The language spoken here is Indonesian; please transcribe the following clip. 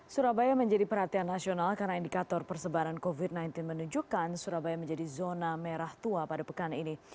surabaya menjadi perhatian nasional karena indikator persebaran covid sembilan belas menunjukkan surabaya menjadi zona merah tua pada pekan ini